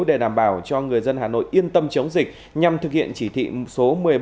để đảm bảo cho người dân hà nội yên tâm chống dịch nhằm thực hiện chỉ thị số một mươi bảy